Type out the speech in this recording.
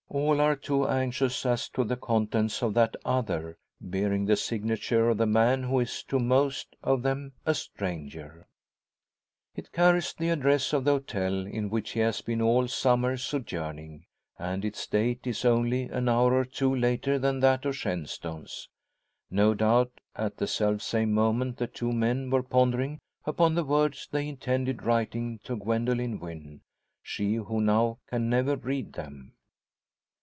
All are too anxious as to the contents of that other, bearing the signature of the man who is to most of them a stranger. It carries the address of the hotel in which he has been all summer sojourning, and its date is only an hour or two later than that of Shenstone's. No doubt, at the self same moment the two men were pondering upon the words they intended writing to Gwendoline Wynn she who now can never read them.